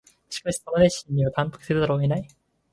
しかしその熱心には感服せざるを得ない